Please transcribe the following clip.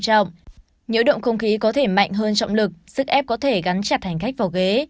nhiễu động không khí có thể mạnh hơn trọng lực sức ép có thể gắn chặt hành khách vào ghế